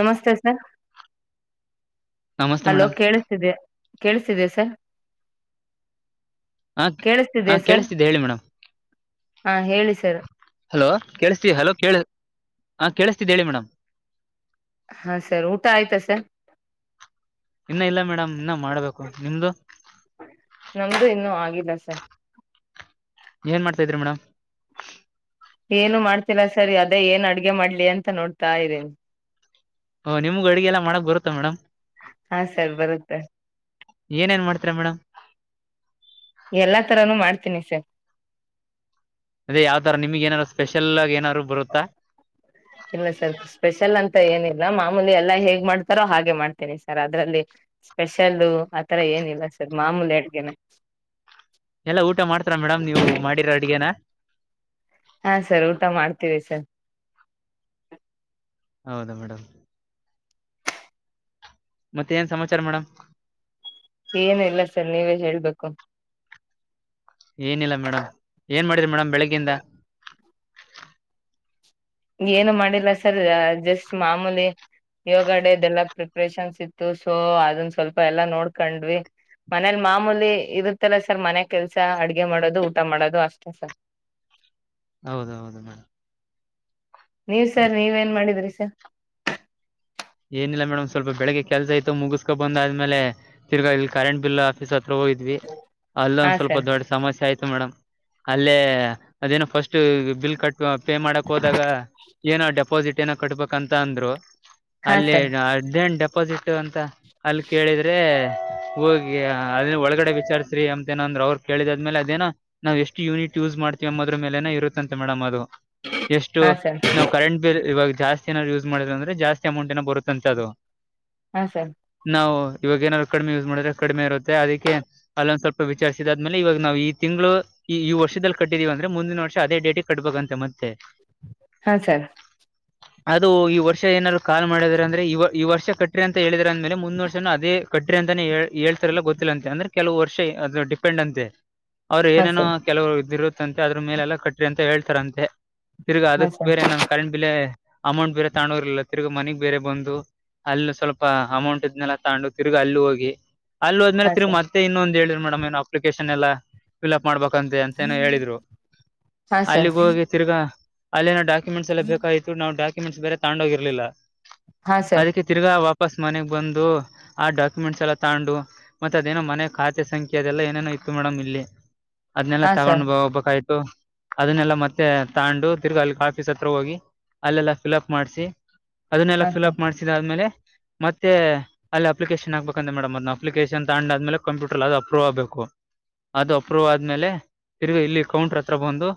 ನಮಸ್ತೆ ನಮಸ್ತೆ hello madam ಕೇಳಸ್ತಿದೇ ಕೇಳಿಸ್ತಿದೆ ಸರ್ ಹಾ ಹಾ ಕೇಳಿಸ್ತಿದೆ ಸರ್ ಕೇಳಿಸ್ತಿದ್ದೆ ಹೇಳಿ ಮೇಡಮ್ ಹಾ ಹೇಳಿ ಸರ್ ಹಲೋ ಕೇಳಿಸತಿದೆ ಹಲೋ ಕೇಳಿ ಹಾ ಕೇಳಿಸ್ತಿದೆ ಹೇಳಿ ಮೇಡಮ್ ಹಾ ಸರ್ ಊಟ ಆಯ್ತಾ ಸರ್ ಇನ್ನ ಇಲ್ಲ ಮೇಡಮ್ ಇನ್ನ ಮಾಡ್ಬೇಕು ನಿಮ್ದು ನಮ್ದು [unintelligible] ಏನ್ ಮಾಡ್ತಾ ಇದ್ರಿ ಮೇಡಮ್ ಏನು ಮಾಡ್ತಿಲ್ಲ ಸರ್ ಅದೇ ಏನ್ ಅಡ್ಗೆ ಮಾಡ್ಲಿ ಅಂತ ನೋಡ್ತಾ ಇದೀನಿ ಹಾ ನಿಮ್ಗ ಅಡಿಗೆ ಎಲ್ಲ ಮಾಡಕ್ ಬರುತ್ತಾ ಮೇಡಮ್ ಹಾ ಸರ್ ಬರುತ್ತೆ ಏನೇನ್ ಮಾಡ್ತೀರಾ ಮೇಡಮ್ ಎಲ್ಲಾ ತರಾನೂ ಮಾಡ್ತೀನಿ ಸರ್ ಅದೇ ಯಾವ ತರ ನಿಮ್ಗೆ ಏನಾರು ಸ್ಪೆಷಲ್ ಆಗ ಏನಾದ್ರು ಬರುತ್ತಾ ಇಲ್ಲ ಸರ್ ಸ್ಪೆಷಲ್ ಅಂತ ಏನಿಲ್ಲ ಮಾಮೂಲಿ ಎಲ್ಲಾ ಹೇಗ್ ಮಾಡ್ತಾರೋ ಹಾಗೆ ಮಾಡ್ತೇನಿ ಸರ್ ಅದ್ರಲ್ಲಿ ಸ್ಪೆಷಲ್ಲೂ ಆತರ ಏನಿಲ್ಲ ಸರ್ ಮಾಮೂಲಿ ಅಡ್ಗೆನೆ ಎಲ್ಲಾ ಊಟ ಮಾಡ್ತಾರ ಮೇಡಮ್ ನೀವು ಮಾಡಿರೋ ಅಡ್ಗೇನಾ ಹಾ ಸರ್ ಊಟ ಮಾಡ್ತೀವಿ ಸರ್ ಹೌದಾ ಮೇಡಮ್ ಮತ್ತೆ ಏನ್ ಸಮಾಚಾರ ಮೇಡಮ್ ಏನ ಇಲ್ಲ ಸರ್ ನೀವೇ ಹೇಳ್ಬೇಕು ಏನಿಲ್ಲ ಮೇಡಮ್ ಏನ್ ಮಾಡಿದ್ರಿ ಮೇಡಮ್ ಬೆಳಗ್ಗಿಂದ ಏನು ಮಾಡಿಲ್ಲ ಸರ್ ಜಸ್ಟ್ ಮಾಮೂಲಿ ಯೋಗ ಡೇದೆಲ್ಲಾ ಪ್ರಿಪ್ರೇಷನ್ಸ್ ಇತ್ತು ಸೊ ಅದನ್ ಸ್ವಲ್ಪ ಎಲ್ಲಾ ನೋಡ್ಕೊಂಡ್ವಿ ಮನೇಲ್ ಮಾಮೂಲಿ ಇರುತ್ತಲ್ಲ ಸರ್ ಮನೆ ಕೆಲ್ಸ ಅಡ್ಗೆ ಮಾಡೋದು ಊಟ ಮಾಡೋದು ಅಷ್ಟೇ ಸರ್ ಹೌದೌದು ಮೇಡಮ್ ನೀವ್ ಸರ್ ನೀವೇನ್ ಮಾಡಿದ್ರಿ. [inaudible] ಏನಿಲ್ಲ ಮೇಡಮ್ ಸ್ವಲ್ಪ ಬೆಳಿಗ್ಗೆ ಕೆಲಸ ಇತ್ತು ಮುಗಿಸ್ಕೋಬಂದ ಆದ್ಮೇಲೆ ತಿರುಗ ಕರೆಂಟ್ ಬಿಲ್ ಆಫೀಸ್. ಹೋಗಿದ್ವಿ ಅಲ್ಲ ಹಾ ಒಂದ್ ಸ್ವಲ್ಪ ಸರ್ ದೊಡ್ಡ ಸಮಸ್ಯೆ ಆಯ್ತು ಮೇಡಮ್. ಅಲ್ಲೇ ಅದೇನೋ ಫಸ್ಟ್ ಬಿಲ್ ಕಟ್. ಪೇ ಮಾಡಕ್ ಹೋದಾಗ ಏನೋ ಡೆಪಾಸಿಟ್. ಏನೋ ಕಟ್ಬೇಬೇಕ ಅಂತ ಅಂದ್ರು. ಹಾ ಅಲ್ಲೇ ಸರ್ ಹಡ್ನೇಟು. ಆಪೋಸಿಟಿವ್ ಅಂತ. ಅಲ್ಲಿ ಕೇಳಿದ್ರೆ. ಹೋಗಿ ಅದ ಒಳಗಡೆ ವಿಚಾರಸ್ರಿ ಅಂತ ಏನಂದ್ರ ಅವ್ರು ಕೇಳಿದ ಆದ್ಮೇಲೆ ಅದೆನೋ ನಾವ ಎಷ್ಟ ಯನಿಟ್ ಯಸ್ ಮಾಡ್ತೀವಿ ಅಂಬ ಅದ್ರ ಮೇಲೆೇನ ಇರುತ್ತಂತೆ ಮೇಡಮ್ ಅದು. ಎಷ್ಟು ಹಾ ಸರ್ ನಾವು ಕರೆಂಟ್ ಬಿಲ್ ಇವಾಗ. ಜಾಸ್ತಿ ನಾವ್ ಯೂಸ್ ಮಾಡಿದ ಅಂದ್ರೆ ಜಾಸ್ತಿ. ಅಮೌಂಟ್ನ ಬರುತ್ತಂತೆ ಅದು. ಹಾ ಸರ್ ನಾವು. ಇವಾಗ ಏನಾರ ಕಡಿಮೆ ಯೂಸ್ ಮಾಡಿದ್ರೆ ಕಡಿಮೆ ಇರುತ್ತೆ ಅದಕ್ಕೆ ಅಲ್ಲೊಂದ್ ಸ್ವಲ್ಪ ವಿಚಾರಿಸಿದಾದ್ಮೇಲೆ ಇವಾಗ ನಾವು ಈ ತಿಂಗಳು ಈ ವರ್ಷದಲ್ಲಿ ಕಟ್ಟಿದೀವಿ ಅಂದ್ರೆ ಮುಂದಿನ ವರ್ಷ ಅದೇ ಡೇಟಿಗೆ ಕಟ್ಬೇಕಂತೆ ಮತ್ತೆ ಹಾ ಸರ್ ಅದು ಈ ವರ್ಷ ಏನಾರ ಕಾಲ್ ಮಾಡದ್ರ ಅಂದ್ರೆ ಇವ ಈ ವರ್ಷ ಕಟ್ರಿ ಅಂತ ಹೇಳಿದ್ರ ಅಂದ್ಮೇಲೆ ಮುಂದ ವರ್ಷ ಅದೇ ಕಟ್ರಿ ಅಂತಾನೇ ಹೇಳ್ತಾರಲ್ಲ ಗೊತ್ತಿಲ್ಲಂತೆ ಅಂದ್ರೆ ಕೆಲವು ವರ್ಷ ಅದ ಡಿಪೆಂಡ್ ಅಂತೆ ಅವ್ರ ಏನೇನೋ ಕೆಲವರು ಇದಿರು [unintelligible] ಅದ್ರ ಮೇಲೆಲ್ಲಾ ಕಟ್ರಿ ಅಂತ ಹೇಳ್ತಾರಂತೆ ತಿರ್ಗ ಹಾ ಅದಕ್ಕೆ ಸರ್ ಬೇರೆ ನನ್ ಕರೆಂಟ್ ಬಿಲೆ ಅಮೌಂಟ್ ಬೇರೆ ತಗೊಂಡು ಹೋಗಿರ್ಲಿಲ್ಲ ತಿರ್ಗಾ ಮನೆಗ್ ಬೇರೆ ಬಂದು ಅಲ್ಲಿ ಸ್ವಲ್ಪ ಅಮೌಂಟ್ ಇದ್ನೆಲ್ಲಾ ತಗೊಂಡು ತಿರ್ಗಾ ಅಲ್ಲಿ ಹೋಗಿ ಹಾ ಅಲ್ಲೊದ್ಮೇಲೆ ತಿರ್ಗ ಸರ್ ಮತ್ತೆ ಇನೊಂದು ಹೇಳಿದ್ರು ಮೇಡಂ ಅಪ್ಲಿಕೇಶನ್ ಎಲ್ಲಾ ಫೀಲ್ ಮಾಡ್ಬೇಕಂತೆ ಅಂತೇನೆ ಹೇಳಿದ್ರು ಹಾ ಸರ್ ಅಲ್ಲಿಗೆ ಹಾ ಸರ್ ಹೋಗಿ ತಿರ್ಗಾ ಅಲ್ಲಿನ ಡಾ [unintelligible] ಬೇಕಾಗಿತ ನಾವು [unintelligible] ಸ್ ಬೇ ತಾೋಗ ಇರಲಿಲ್ಲ ಹಾ ಸರ್ ಅದಕ್ಕೆ ತಿರ್ಗಾ ವಾ ವಾಪಾಸ್ ಮನೆಗೆ ಬಂದು ಆ ಡಾಕ್ಯುಮೆಂಟ್ಸ್ ಎಲ್ಲ ತಗೊಂಡು ಮತ್ತೆ ಅದೇನೋ ಮನೆ ಖಾತೆ ಸಂಖ್ಯೆ ಅದೆಲ್ಲ ಏನೇನೋ ಇತ್ತು ಮೇಡಮ್ ಇಲ್ಲಿ ಅದ್ನೆಲ್ಲ ಹಾ ಸರ್ ತಗೊಂಡ್ ಹೋಗ್ಬೇಕಗಿತ್ತು ಅದನ್ನೆಲ್ಲಾ ಮತ್ತೆ ತಗೊಂಡು ತಿರ್ಗಿ ಅಲ್ಲಿ ಆಫೀಸ್ ಹತ್ರ ಹೋಗಿ ಅಲ್ಲೆಲ್ಲಾ ಫಿಲ್ಅಪ್ ಮಾಡಸಿ ಅದನ್ನೆಲ್ಲಾ ಹಾ ಸರ್ ಫೀಲ್ಅಪ್ ಮಾಡ್ಸಿದ್ಮೇಲೆ ಮತ್ತೆ ಅಲ್ಲಿ ಅಪ್ಲಿಕೇಶನ್ ಹಾಕ್ಬೇಕಂತ ಮೇಡಮ್ ಅದನ್ನ ಅಪ್ಲಿಕೇಶನ್ ತಗೊಂಡಾದ್ಮೇಲೆ ಕಂಪ್ಯೂಟರ್ ಅದು ಅಪ್ರೂವ್ ಆಗ್ಬೇಕು ಅದು ಅಪ್ರೂವ್ ಆದ್ಮೇಲೆ ತಿರುಗಿ ಇಲ್ಲಿ ಕೌಂಟ್ರ ಹತ್ರ ಬಂದು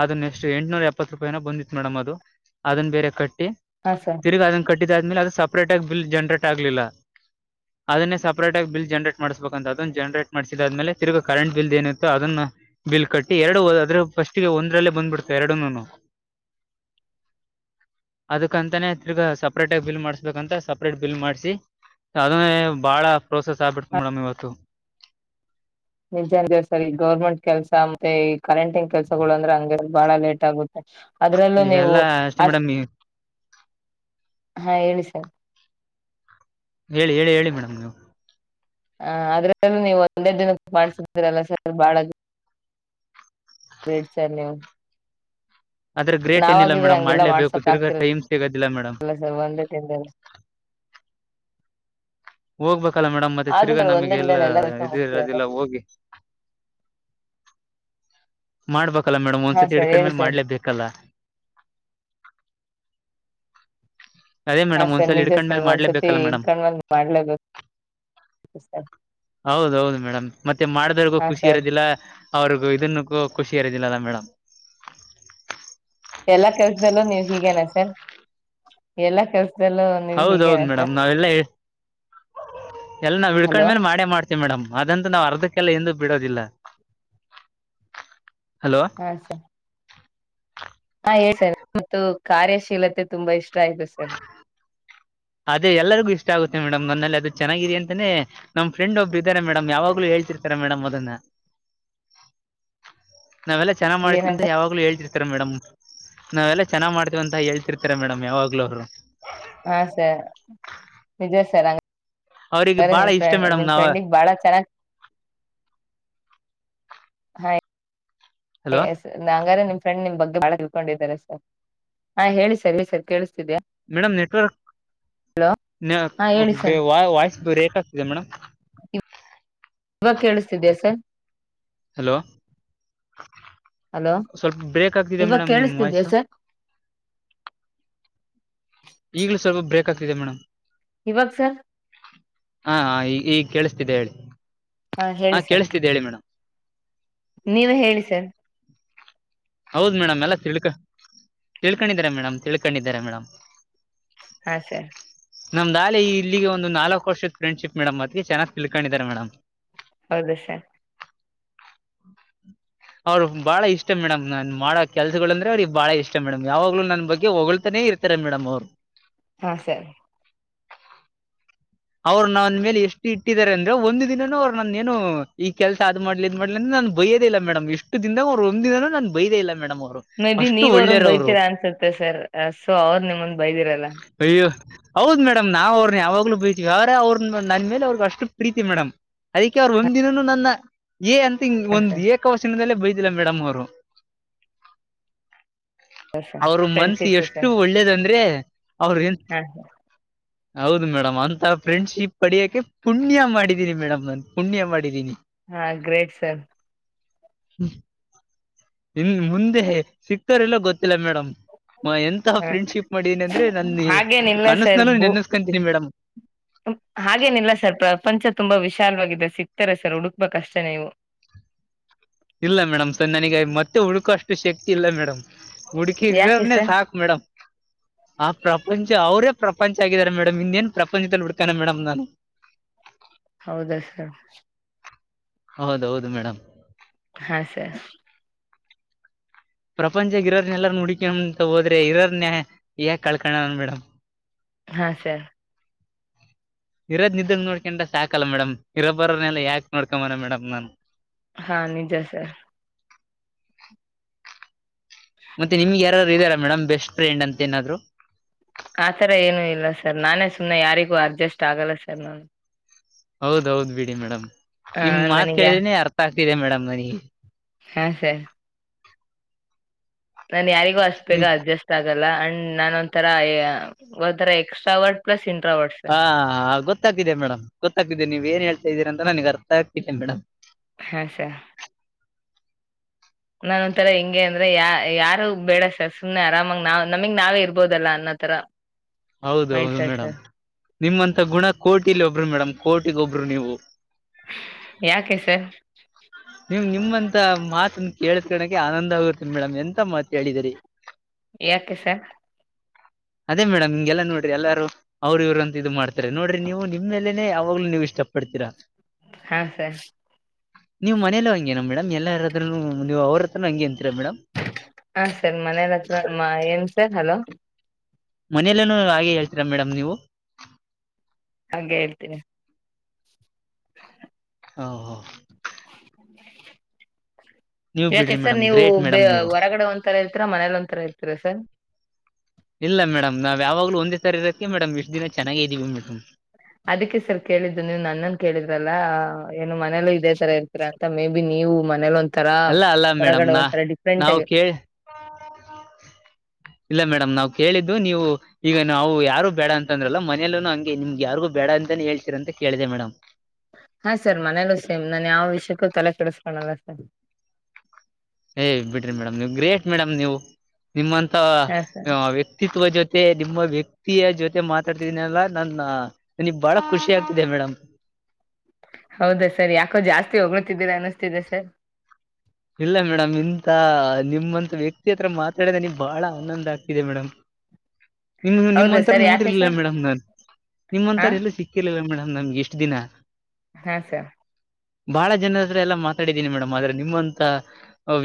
ಅದನ್ನ ಎಷ್ಟು ಎಂಟನೂರ ಎಪ್ಪತ್ ರೂಪಾಯಿನ ಬಂದಿತ್ತು ಮೇಡಮ್ ಅದು ಅದನ್ನ ಬೇರೆ ಕಟ್ಟಿ ಹಾ ಸರ್ ತಿರ್ಗ ಅದನ್ ಕಟ್ಟ ಇದ್ಮೇಲೆ ಅದು ಸಪರೇಟ್ ಆಗ ಬಿಲ್ ಜನರೇಟ್ ಆಗ್ಲಿಲ್ಲ [inaudible] ಅದನ್ನೇ ಸಪರೇಟ್ ಆಗ ಬಿಲ್ ಜನ್ರೇಟ್ ಮಾಡಿಸಬೇಕಂತ ಅದನ್ನು ಜನರೇಟ್ ಮಾಡಸಿದಾದ್ಮೇಲೆ ತಿರ್ಗ ಕರೆಂಟ್ ಬಿಲ್ ಏನಿತ್ತು ಅದನ್ನು ಬಿಲ್ ಕಟ್ಟಿ ಎರಡು ಫಸ್ಟ್ ಒಂದ್ರಲ್ಲೇ ಬಂದ್ಬಿಡ್ದೆ ಎರಡನ್ನು ಅದಕ್ಕಂತಾನೇ ತಿರ್ಗಿ ಸಪ್ರೇಟಾಗಿ ಬಿಲ್ ಮಾಡಿಸ್ಬೇಕಂತ ಸಪ್ರೇಟ್ ಬಿಲ್ ಮಾಡಿಸಿ ಅದನ್ನೇ ಭಾಳ ಪ್ರೋಸೆಸ್ ಆಗ್ಬಿಡ್ತು ಹ ಮೇಡಮ್ ಇವತ್ತು [unintelligible] ಸರ್ ಈ ಗೌರ್ಮೆಂಟ್ ಕೆಲ್ಸ ಮತ್ತೆ ಕರೆಂಟಿಂಗ್ ಕೆಲಸಗಳು ಅಂದ್ರೆ ಹಂಗೆ ಬಹಳ ಲೇಟ್ ಆಗುತ್ತೆ ಅದ್ರಲ್ಲೂ ನೀವು ಇವೆಲ್ಲ ಅಷ್ಟೇ ಅಷ್ಟ ಮೇಡಮ್ ಹಾ ಹೇಳಿ ಸರ್ ಹೇಳಿ ಹೇಳಿ ಹೇಳಿ ಮೇಡಮ್ ನೀವು ಹ ಆದ್ರೆ ನೀವು ಒಂದೇ ದಿನಕ್ಕೆ ಮಾಡ್ಸಿದೀರಲ್ಲ ಸರ್ ಬಾಳ. ವೇಡ್ ಸಲ್ [inaudible] ಆದ್ರೆ ಗ್ರೇಟ್ ಏನಿಲ್ಲ ಮೇಡಮ್ ಹಂಗೆಲ್ಲಾ ಮಾಡ್ಲೇಬೇಕು ಮಾಡ್ಸಕ್ ತಿರ್ಗಾ ಆಗ್ತಿರಲ್ಲ ಟೈಮ್ ಸಿಗೋದಿಲ್ಲ ಮೇಡಮ್. ಸರ್ ಒಂದೇ ದಿನದಲ್ಲಿ ಹೋಗ್ಬೇಕಲ್ಲ ಮೇಡಮ್ ಮತ್ತೆ ಆದ್ರೂ ತಿರ್ಗಾ ಸರ್ ಒಂದೇ ನಮಗೆ ಎಲ್ಲ ದಿನದಲ್ಲಿ ಎಲ್ಲಾ ಕೆಲ್ಸ ಮುಗ್ಸಿರಲ್ಲ ಇದಿರದಿಲ್ಲ ಹೋಗಿ. ಮಾಡ್ಬೇಕ. ಅಲ್ಲ ಮೇಡಮ್ ಹಾ ಒಂದ್ಸತಿ ಸರ್ ಹೇಳಿ ಹಿಡ್ಕಂಡ್ಮೇಲೆ ಸರ್ ಮಾಡ್ಲೇ ಬೇಕಲ್ಲ. ಅದೇ ಹಾ ಮೇಡಮ್ ಸರ್ ಒಂದ್ಸಲ ನಿಜ ಹಿಡ್ಕೊಂಡ್ ಮೇಲೆ ಸರ್ ಒಂದ್ಸತಿ ಮಾಡ್ಲೇಬೇಕಲ್ಲ ಮೇಡಮ್ ಹಿಡ್ಕೊಂಡ್ ಬಂದ್ ಮಾಡ್ಲೇಬೇಕು ಸರ್ ಹೌದೌದು ಮೇಡಮ್ ಮತ್ತೆ ಮಾಡಿದವರ್ಗೂ ಹಾ ಖುಷಿ ಸರ್ ಇರೋದಿಲ್ಲ. ಅವ್ರಿಗೂ ಇದನ್ನುಕ್ಕೂ ಖುಷಿ ಇರೋದಿಲ್ಲ ಮೇಡಮ್. ಎಲ್ಲಾ ಕೆಲ್ಸದಲ್ಲೂ ನೀವ್ ಹೀಗೇನ ಸರ್ ಎಲ್ಲಾ ಕೆಲ್ಸ ಹೌದೌದು ಮೇಡಮ್ ನಾವೆಲ್ಲಾ ಹೇಳ. ಎಲ್ಲ ನಾವ ಹಲೋ ಹಿಳ್ಕೊಂಡ್ಮೇಲೆ ಮಾಡೇ ಮಾಡ್ತೀವಿ. ಮೇಡಮ್ ಅದಂತೂ ನಾವು ಅರ್ಧಕ್ಕೆಲ್ಲ ಎಂದೂ ಬಿಡೋದಿಲ್ಲ. ಹಲೋ ಹಾ ಸರ್ ಹಾ ಮತ್ತು ಕಾರ್ಯಶೀಲತೆ ತುಂಬಾ ಇಷ್ಟ. Thank you sir. ಅದೇ ಎಲ್ಲರಿಗು ಇಷ್ಟ ಆಗುತ್ತೆ ಮೇಡಮ್ ನನ್ನಲ್ಲಿ ಅದು ಚೆನ್ನಾಗಿದೆ ಅಂತಾನೇ ನಮ್ ಫ್ರೆಂಡ್ ಒಬ್ರು ಇದ್ದಾರೆ ಮೇಡಮ್ ಯಾವಾಗ್ಲೂ ಹೇಳ್ತಿರ್ತಾರೆ ಮೇಡಮ್ ಅದನ್ನ. ನಾವೆಲ್ಲ ಚೆನ್ನಾಗಿ ಮಾಡ್ತಿ ಅಂತ ಏನಂತ ಯಾವಾಗಲೂ ಹೇಳತಿರ್ತಾರೆ ಮೇಡಮ್. ನಾವೆಲ್ಲ ಚೆನ್ನಾಗಿ ಮಾಡ್ತೀವ ಅಂತ ಹೇಳ್ತಿರ್ತಾರೆ ಮೇಡಮ್ ಯಾವಾಗ್ಲೂ ಅವ್ರು. ಹಾ ಸರ್ ನಿಜ ಸರ್ ಹಂಗೆ. ಅವ್ರಿಗೆ ಸರಿ ಬಾಳ ನಿಮ್ ಇಷ್ಟ ಫ್ರ್ಡ್ ಮೇಡಮ್ ನಿಮ್ ನಾವ ಫ್ರೆಂಡಗ್ ಬಾಳ ಚೆನ್ನಾಗಿ ಹೈ. ಹಲೋ ನಂಗ್ರ ನಿಮ್. ಫ್ರೆಂಡ್ ನಿಮ್ ಬಗ್ಗೆ ಬಾಳ ತಿಳ್ಕೊಂಡಿದಿದ್ದಾರೆ ಸರ್ ಹಾ ಹೇಳಿ ಸರ್ ಹೇಳಿ ಸರ್ ಕೇಲ್ಸ್. ಮೇಡಮ್ ನೆಟ್ವರ್ಕ್ ಹಲೋ ಹಾ ಹೇಳಿ ಸರ್ ವಾಯ್ಸ್ ಬ್ರೇಕ್ ಆಗ್ತಿದೆ ಮೇಡಮ್. ಇವಾಗ ಕೇಳಿಸ್ತಿದ್ಯಾ ಸರ್ ಹಲೋ ಹಲೋ ಸ್ವಲ್ಪ ಬ್ರೇಕ್ ಆಗ್ತಿದೆ ಇವಾಗ ಮೇಡಮ್ ನಿಮ ವಾಯ್ಸ. ಕೇಳಿಸ್ತಿದ್ಯಾ ಸರ್ ಈಗ್ಲೂ ಸ್ವಲ್ಪ ಬ್ರೇಕ್ ಆಗ್ತಿದೆ ಮೇಡಮ್. ಇವಾಗ ಸರ್. ಹಾ ಈ ಈಗ ಕೇಳಿಸ್ತಿದ್ದೆ ಹೇಳಿ. ಹಾ ಕೇಳ್ಸ್ತಿದ್ದ ಹೇಳಿ ಮೇಡಮ್. ನೀವೆ ಹೇಳಿ ಸರ್. ಹೌದ ಮೇಡಮ್ ಎಲ್ಲ ತಿಳ್ಕ ತಿಳ್ಕೊಂಡಿದ್ದಾರೆ ಮೇಡ ತಿಳ್ಕೊಂಡಿದ್ದಾರೆ ಮೇಡಮ್. ಹಾ ಸರ್ ನಮ್ದಾಲಿ ಇಲ್ಲಿಗೆ ಒಂದು ಇಲಿಗೆ ನಾಲ್ಕಕ್ ವರ್ಷದ ಫ್ರಂಡ್ಶಿಪ್ ಮೇಡಮ್ ಅತಕೆ ಚೆನ್ನಾಗ್ ತಿಳ್ಕೊಂಡಿದ್ದಾರೆ ಮೇಡಮ್. ಹೌದು ಸರ್. ಅವರು ಬಾಳ ಇಷ್ಟ ಮೇಡಮ್ ನನ್ ಮಾಡೋ ಅವುರು ಬಳ್ ಇಷ್ಟ ಮೇಡಂ ನಾನು ಮಾಡೋ ಕೆಲ್ಸಗಳಂದ್ರೆ ಅವ್ರಿಗೆ ಬಾಳ ಇಷ್ಟ ಮೇಡಮ್ ಯಾವಾಗ್ಲೂ ನನ್ ಬಗ್ಗೆ ಹೊಳ್ತಾನೇ ಇರ್ತಾರೆ ಮೇಡಮ್ ಅವ್ರು. ಹಾ ಸರ್. ಅವ್ರು ನನ್ ಮೇಲೆ ಎಷ್ಟ ಇಟ್ಟಿದ್ದಾರೆ ಅಂದ್ರೆ ಒಂದು ದಿನನೂ ಅವರು ನನ್ನ ಏನು ಈ ಕೆಲಸ ಅದ ಮಾಡ್ಲಿ ಇದ್ ಮಾಡ್ಲಿ ಅಂತ್ ನನ್ ಬೈಯದೇ ಇಲ್ಲ ಮೇಡಮ್ ಈಸ್ಟ್ ದಿಂದಾಗ್ ಅವ್ರು ಒಂದ ದಿನನು ನನ್ ಬಯಿದೇ ಇಲ್ಲ. ಮೇಡಮ್ ಅವ್ರು ಮೇ ಬಿ ಅಷ್ಟು ನೀವ್ ಅವ್ರಂದ ಒಳ್ಳೆಯವ್ರು ಅವ್ರು ಬೈತೀರಾ ಅನ್ಸುತ್ತೆ ಸರ್ ಸೊ ಅವ್ರ ನಿಮ್ಮನ್ನ ಬೈದಿರಲ್ಲ. ಹೌದ ಮೇಡಮ್ ನಾವ್ ಅವ್ರನ್ನ ಯಾವಾಗ್ಲೂ ಬೈತ್. ಯಾರ ಅವ್ರ ನನ್ ಮೇಲೆ ಅವ್ರಗ ಅಷ್ಟು ಪ್ರೀತಿ ಮೇಡಮ್ ಅದಕ್ಕೆ ಅವ್ರು ಒಂದ್ ದಿನನು ನನ್ನ. ಏ ಅಂತ ಹಿಂಗ್ ಹಾ ಒಂದ್ ಸರ್ ಏಕ ವಚನದಲ್ಲೇ ಬೈದ್. ದಿಲ್ಲ ಮೇಡಂ ಅವ್ರು. ಹಾ ಸರ್ ಅವ್ರ ಮನ್ಸ ಫ್ರೆಂಡ್ಶಿಪ್ ಎಷ್ಟು ಸರ್ ಒಳ್ಳೇದಂದ್ರೆ. ಅವರ್ ಏನ್. ಹಾ ಹೌದು ಮೇಡಮ್ [unintelligible] ಹಂತ್ ಫ್ರೆಂಡ್ಶಿಪ್ ಪಡಿಯೋಕ್ಕೆ ಪುಣ್ಯ ಮಾಡಿದ್ದೀನಿ ಮೇಡಮ್ ನಾನು ಪುಣ್ಯ ಮಾಡಿದ್ದೀನಿ. ಹಾ ಗ್ರೇಟ್ ಸರ್ ಹ್ಮ್. ಇನ್ ಮುಂದೆ ಸಿಗ್ತಾರಿಲ್ಲ ಗೊತ್. ಹ ಮಾಡಿದೀನಿ ಅಂದ್ರೆ ನನ್ನ ಹಾಗೇನಿಲ್ಲ ಸರ್ ಕನಸ್ನಲ್ಲೂ ಭೂ ನೆನೆಸ್ಕೊಂತೀನಿ ಮೇಡಮ್ ಹಾಗೇನಿಲ್ಲ ಸರ್ ಪ್ರಪಂಚ ತುಂಬಾ ವಿಶಾಲವಾಗಿದೆ ಸಿ. ಗ್ತಾರೆ ಸರ್ ಹುಡುಕ್ಬೇಕಷ್ಟೇ ನೀವು. ಇಲ್ಲ ಮೇಡಮ್ ಸೊ ನನಗ ಮತ್ತೆ ಹುಡುಕೋ ಅಷ್ಟು ಶಕ್ತಿ ಇಲ್ಲ ಮೇಡಮ್. ಹುಡ್ಕಿ ಯಾಕೆ ಇದ್ರನೆ ಸರ್ ಸಾಕ್ ಮೇಡಮ್ ಆ ಪ್ರಪಂಚ ಅವ್ರೇ. ಪ್ರಪಂಚ ಆಗಿದ್ದಾರೆ ಮೇಡಮ್ ಇನ್ನೇನ್ ಪ್ರಪಂಚದಲ್ಲಿ ಹುಡ್ಕಾನ ಮೇಡಮ್ ನಾನು. ಹೌದಾ ಸರ್. ಹೌದೌದು ಮೇಡಮ್. ಹಾ ಸರ್. ಪ್ರಪಂಚ ಇರೋರ್ನೆ ಎಲ್ಲಾರನ್ ಹುಡಕಂತ ಹೋದ್ರೆ ಇರರ್ನ ಯಾಕ ಕಳ್ಕಣ ಮೇಡಮ್? ಹಾ ಸರ್ ಇರೋ ನಿದ್ದಂ ನೋಡ್ಕೊಂಡ ಸಾಕಲ್ಲ ಮೇಡಮ್ ಇರೋ ಬರೋರ್ನೆಲ್ಲ ಯಾಕೆ ನೋಡ್ಕೊನ ಮೇಡಮ್ ನಾನು. ಹಾ ನೀಜ ಸರ್ ಮತ್ತೆ ನಿಮ್ಗೆ ಯಾರಾರು ಇದಾರ? Madam best. ಫ್ರೆಂಡ್ ಅಂತ ಏನಾದ್ರು ಆತರ ಏನು ಇಲ್ಲ ಸರ್ ನಾನೇ. ಸುಮ್ನೆ ಯಾರಿಗೂ ಅಡ್ಜಸ್ಟ್ ಆಗಲ್ಲ ಸರ್ ನಾನು. ಹೌದೌದ್ ಬಿಡಿ ಮೇಡಮ್. ಆ ನಿಮ್ ಮಾತ್ ನನಗೆ ಕೇಳಿದಿನಿ ಅರ್ಥ ಆಗ್ತ. ತಿದೆ ಮೇಡಮ್ ನನಗೆ. ಹಾ ಸ ನಾನ್ ಯಾರಿ ಅಷ್ಟ ಬೇಗ್ ನಿ- ಅಡ್ಜಸ್ಟ್ ಆಗಲ್ ಆಂಡ್ ನಾನ ಒಂತರ ಅಯ್ ಒಂತರ ಎಕ್ಸ್ಟ್ರಾವರ್ಟ್ ಪ್ಲಸ್ ಇ ಹಾ ಆಗ ಗೋ ಗೊತ್ತಾಗಿದೆ ಮೇಡಮ್ ಗೊತ್ತಾಗಿದೆ ನೀವ ಏನ್ ಹೇಳ್ತಾ ಇದೀರ ಅಂತ ನನಗ್ ಅರ್ಥ ಆಗ್ತಿದೆ ಮೇಡಮ್. ಹಾ ಸರ್ ನಾನ ಒಂಥರ ಹೇಂಗೆ ಅಂದ್ರೆ ಯ ಯಾರು ಬೇಡಸ ಸುಮ್ನೆ ಆರಾಮಾಗ ನಾವ್ ನಮಗ್ ನಾವೇ ಇರ್ಬೋದಲ್ಲ ಅನ್ನೋತರ ಹೌದ ಹೌದು ಮೇಡಮ್ ನಿಮ್ಮಂತ ಗುಣ ಕೋಟಿ ಇಲ್ಲಿ ಒಬ್ರಿ ಮೇಡಮ್ ಕೋಟಿ ಈಗೊಬ್ರು ನೀವು ಯಾಕೆ ಸಾ ನೀವ್ ನಿಮ್ಮಂತ ಮಾತನ್ನ ಕೇಳಕಳಕೆ ಆನಂದ ಆಗರ್ತ್ತ ಮೇಡಮ್ ಎಂತ ಮಾತ ಹೇಳಿದರಿ ಯಾಕೆಸ ಅದೇ ಮೇಡಮ್ ಹಿಂಗೆಲ್ಲ ನೋಡ್ರಿ ಎಲ್ಲಾರು ಅವ್ರ ಇವ್ ಅಂತ ಇದು ಮಾಡ್ತಾರೆ ನೋಡ್ರಿ ನೀವು ನಿಮ್ೇಲೆೇನೆ ಯಾವಾಗ್ಲೂ ನೀವು ಇಷ್ಟ ಪಡ್ತೀರಾ ಹಾ ಸರ್ ನೀವು ಮನೇಲ್ಲ ಹಂಗೇನ ಮೇಡಮ್ ಎಲ್ಲಾರಾದ್ರೂ ನೀವು ಅವ್ರ ಹತ್ರನು ಹಂಗೇ ಹಾ ಸರಿ ಮನ ರತ್ನಮ್ಮ ಏನ್ ಸರ್ ಹಲೋ ಮನೇಲ್ಲನ ಹಾಗೆ ಹೇಳ್ತೀರಾ ಮೇಡಮಂ ನೀವು ಹಾಗೆ ಹೇಳ್ತೀನಿ ಹ ಹ ನೀವು [inaudible] ಯಾಕೆ ಬಿಡ್ರಿ ಸರ್ ಮೇಡಮ್ ನೀವು ಗ್ರೇಟ್ ಬ ಮೇಡಮ್ ನೀವು ಹೊರಗಡೆ ಒಂಥರ ಇರ್ತೀರಾ ಮನೇಲಿ ಒಂಂತರ ಇರ್ತೀರಾ ಸರ್ ಯಾವಾಗ್ ಒಂದೇ ತರ ಇರದಕ್ಕೆ ಮೇಡಮ್ ಇಷ್ಟ ದಿನ ಚೆನಾಗ್ ಇದೀವಿ ಮೇಡಮ್ ಅದಕ್ಕೆ ಸರ್ ಕೇಳಿದ್ದು ನೀವು ಅ ತರ ಇರ್ತೀ ಅಂತ ಮೇ ಬಿ ನೀವು ಮನೇಲಿ ಒ ಅಲ್ಲ ಅಲ್ಲ ಮೇಡಮ್ ನ ನಾವು ಆಗಿ ಕ ಇಲ್ಲ ಮೇಡಮ್ ನಾವು ಕೇಳಿದ್ದ ಇದು ನೀವು ಈಗ ನಾವು ಯಾರು ಬೇಡ ಅಂತಂದ್ರಲ್ಲ ಮನೇಲ್ಲ ಹಂಗೆ ನಿಮ್ಗೆ ಯಾರಿಗು ಬೇಡ ಅಂತಾನೇ ಹೇಳ್ತೀರಂತ ಕೇಳಿದೆ ಮೇಡಮ್ ಹಾ ಸರ್ ಮನೇಲ್ಲ ಸೇಮ್ ನನ್ ಯಾವ ವಿಷಯಕ್ಕೂ ತಲೆ ಕೆಡಿಸಕೊಳ್ಳಲ್ಲ ಸ ಏನ್ ಬಿಡ್ರಿ ಮೇಡಮ್ ನೀವು ಗ್ರೇಟ್ ಮೇಡಮ್ ನೀವು. ನಿಮ್ಮಂತ ಹಾ ಸರ್ ವ್ಯಕ್ತಿತ್ವ ಜೊತೆ ಮತ್ತೆ ನಿಮ್ಮ ವ್ಯಕ್ತಿಯ ಜೊತೆ ಮಾತಾಡ್ತಿದೀನಿ ಅಲ್ಲ ನನ್ನ ನನಗ್ ಬಾಳ ಖುಷಿ ಆಗ್ತಿದೆೆ ಮೇಡಮ. ಹೌದಾ ಸರ್ ಯಾಕೋ ಜಾಸ್ತಿ ಹೊಗ್ಳತಿದ್ದೀರಾ ಅನ್ನಿಸ್ತಿದೆ ಸರ್. ಇಲ್ಲ ಮೇಡಮ್ ಇಂತ ನಿಮ್ಮಂತ ವ್ಯಕ್ತಿ ಹತ್ರ ಮಾತಾಡಿದ ನಿಗ್ ಬಾಳ ಆನಂದ ಆಗ್ತಿದೆ ಮೇಡಮಂ. ನಿಮ್ ಹೌದಾ ನಿಮ್ಮಂತರ ಸರ್ ಯಾಕೆ ನೋಡಿರ್ಲಿಲ್ಲ ಸರ್ ಮೇಡಮ್ ನಾನ್ ಹಾ ನಿಮ್ಮಂತರ ಎಲ್ಲ ಸಿಕ್ಕಿರ್ಲಿಲ್ಲ ಮೇಡಮ್. ನಮ್ಗೆ ಇಷ್ಟು ದಿನ ಹಾ ಸರ್ ಬಾಳ ಜನ ಹತ್ರ ಎಲ್ಲಾ ಮಾತಾಡಿದ್ದೀನಿ ಮೇಡಮ್, ಆದ್ರೆ ನಿಮ್ಮ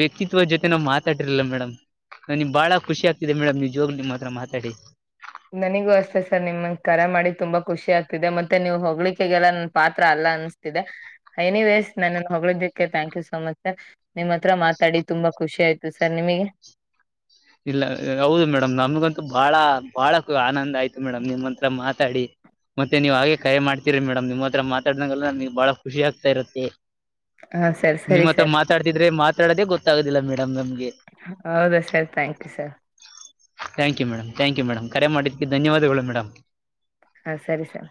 ವ್ಯಕ್ತಿತ್ದ ಜೊತೆ ನಾನ್ ಮಾತಾಡಿರ್ಲಿಲ್ಲ ಮೇಡಮ್ ನನಗ್ ಬಾಳ ಖುಷಿ ಆಗ್ತಿದೆ ಮೇಡಮ್ ನಿವ ಜೋಗ ನಿಮ್ಮ್ ಹತ್ರ ಮಾತಾಡಿ ನನಗೂ ಅಷ್ಟೇ ಸರ್ ನಿಮ್ಮನ್ನ ಕರೆ ಮಾಡಿ ತುಂಬಾ ಖುಷಿ ಆಗ್ತಿದೆ ಮತ್ತೆ ನೀವು ಹೊೋಗ್ಲಿಿಕೆಗೆಲ್ಲ ನನ್ನ ಪಾತ್ರ ಅಲ್ಲ ಅನ್ನಸ್ತಿದೆ, ನಿವೇಸ್ ನನ್ನ ಹೊದ್ದಕ್ಕೆ thank you so much sir, ನಿಮ್ಮ ಹತ್ರ ಮಾತಾಡಿ ತುಂಬಾ ಖುಷಿ ಆಯ್ತು ಸರ್ ನಿಮಗೆ ಇಲ್ಲ ಹೌದು ಮೇಡಮ್ ನಮಗಂತೂ ಬಾಳ ಬಾಳ ಆನಂದ ಆಯ್ತು ಮೇಡಮ್ ನಿಮ್ಮ್ ಹತ್ರ ಮಾತಾಡಿ ಮತ್ತೆ ನೀವ ಹಾಗೆ ಕರೆ ಮಾಡ್ತೀರಿ ಮೇಡಮ್ ನಿಮ್ಮ ಹತ್ರ ಮಾತಾಡಿದಾಗಲ್ಲ ನಮಗ್ ಬಾಳ ಖುಷಿ ಆಗ್ತಾ ಇರತ್ತೆ. ಹಾ ಸರ್ ಸರಿ ನಿಮ್ಮ್ ಹತ್ರ ಸರ್ ಮಾತಾಡ್ತಿದ್ರೆ ಮಾತಾಡದೇ ಗೊತ್ತು. ಆಗಿಲ್ಲೇಡಮ್ ನಮಗೆ ಹೌದ ಸರ್ ತಯ್ತು thank you madam thank you madam. ಡಮ್ ಕರೆ ಮಾಡಿದ್ವಿ ಧನ್ಯವಾದಗಳು ಮೇಡಮ್. ಹಾ ಸರಿ ಸರ್.